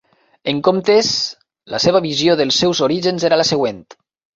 En comptes, la seva visió dels seus orígens era la següent.